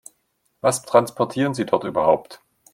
Was transportieren Sie dort überhaupt?